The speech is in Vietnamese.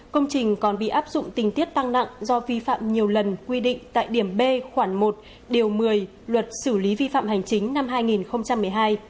công trình còn bị áp dụng tình tiết tăng nặng do vi phạm nhiều lần quy định tại điểm b khoảng một điều một mươi luật xử lý vi phạm hành chính năm hai nghìn một mươi hai